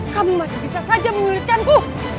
kamu masih bisa saja menyulitkanku